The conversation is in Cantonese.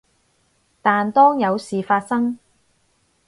但當有事發生